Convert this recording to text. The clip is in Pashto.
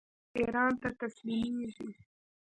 ایران ته تسلیمیږي.